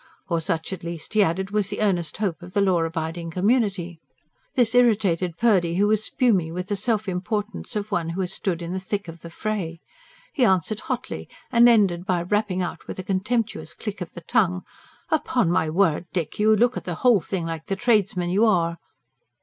Or such at least, he added, was the earnest hope of the law abiding community. This irritated Purdy, who was spumy with the self importance of one who has stood in the thick of the fray. He answered hotly, and ended by rapping out with a contemptuous click of the tongue: "Upon my word, Dick, you look at the whole thing like the tradesman you are!"